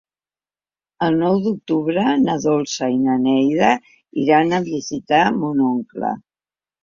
El nou d'octubre na Dolça i na Neida iran a visitar mon oncle.